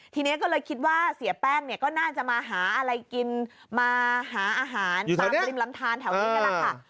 ทีนี้ก็เลยคิดว่าเสียแป้งเนี่ยก็น่าจะมาหาอะไรกินมาหาอาหารตามริมลำทานแถวนี้นั่นแหละค่ะ